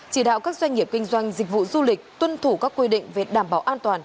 chỉ đạo các doanh nghiệp kinh doanh dịch vụ du lịch tuân thủ các quy định về đảm bảo an toàn